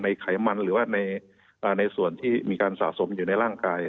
ไขมันหรือว่าในส่วนที่มีการสะสมอยู่ในร่างกาย